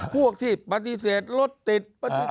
พวกที่ปฏิเสธรถติด